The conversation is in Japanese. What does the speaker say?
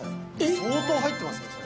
相当入ってますね、それ。